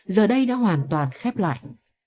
giờ đây đã hoàn toàn khép lại